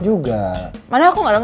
tapi kamu gak mau minta maaf sama aku